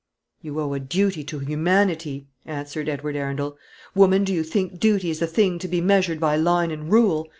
"You owe a duty to humanity," answered Edward Arundel. "Woman, do you think duty is a thing to be measured by line and rule?